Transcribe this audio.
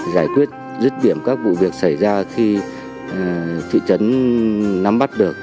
giải quyết rứt điểm các vụ việc xảy ra khi thị trấn nắm bắt được